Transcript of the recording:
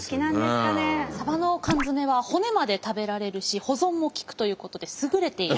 サバの缶詰は骨まで食べられるし保存もきくということで優れている。